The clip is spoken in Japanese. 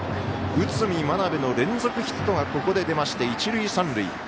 内海、真鍋の連続ヒットがここで出まして一塁三塁。